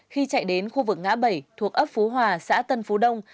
khi chạy đến khu vực ngã bảy thuộc ấp phú hòa xã tân phú đông